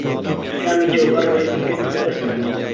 جامی جهوههر ڕێزی گرت به دهستهوه